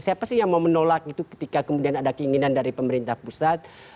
siapa sih yang mau menolak itu ketika kemudian ada keinginan dari pemerintah pusat